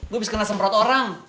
gue bisa kena semprot orang